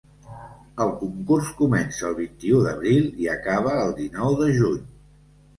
El concurs comença el vint-i-u d'abril i acaba el dinou de juny.